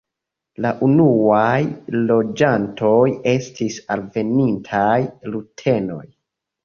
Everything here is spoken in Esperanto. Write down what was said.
La unuaj loĝantoj estis alvenintaj rutenoj.